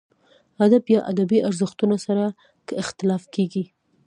ادب یا ادبي ارزښتونو سره که اختلاف کېږي.